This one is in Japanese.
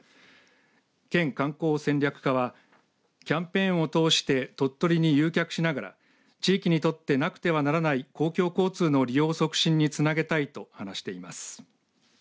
県観光戦略課はキャンペーンを通して鳥取に誘客しながら地域にとってなくてはならない公共交通の利用促進につなげたいと話しています。